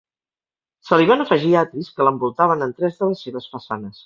Se li van afegir atris que l'envoltaven en tres de les seves façanes.